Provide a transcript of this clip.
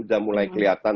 udah mulai kelihatan